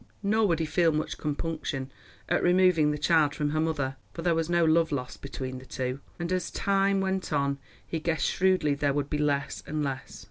Nor would he feel much compunction at removing the child from her mother, for there was no love lost between the two, and as time went on he guessed shrewdly there would be less and less.